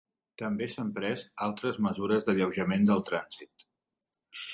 També s'han pres altres mesures d'alleujament del trànsit.